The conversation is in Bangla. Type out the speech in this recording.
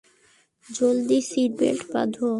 জলদি সিটবেল্ট বাঁধো।